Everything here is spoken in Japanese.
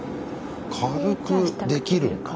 軽くできるんだ。